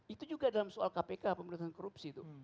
itu juga dalam soal kpk pemerintahan korupsi itu